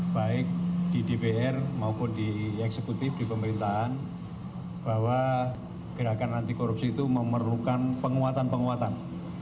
baik di dpr maupun di eksekutif di pemerintahan bahwa gerakan anti korupsi itu memerlukan penguatan penguatan